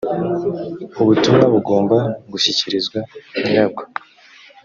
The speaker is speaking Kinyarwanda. ubutumwa bugomba gushyikirizwa nyirabwo.